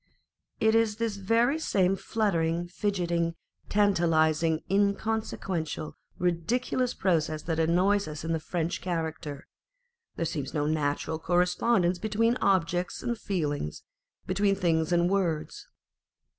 It is the very same fluttering, fidgeting, tanta lising, inconsequential, ridiculous process that annoys us in the French character. There seems no natural corre spondence between objects and feelings, between things Madame Pasta and Mademoiselle Mars. 461 and words.